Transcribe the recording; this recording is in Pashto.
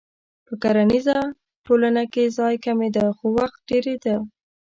په کرنیزه ټولنه کې ځای کمېده خو وخت ډېرېده.